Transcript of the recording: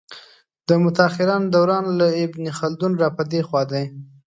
د متاخرانو دوران له ابن خلدون را په دې خوا دی.